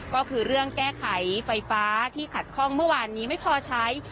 ก็คือเรื่องแก้ไขไฟฟ้าที่ขัดข้องเมื่อวานนี้ไม่พอใช้